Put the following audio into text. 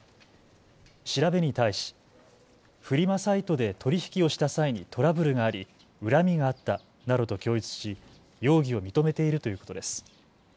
調べに対し、フリマサイトで取り引きをした際にトラブルがあり恨みがあったなどと供述し容疑を認めているということです。